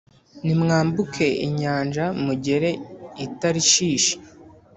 Nimwambuke inyanja mugere i Tarishishi,